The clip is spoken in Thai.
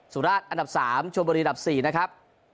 สุราชอันดับ๓ชมบุรีอันดับ๔นะครับ